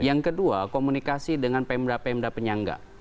yang kedua komunikasi dengan pmd pmd penyangga